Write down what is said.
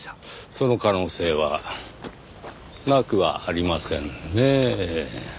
その可能性はなくはありませんねぇ。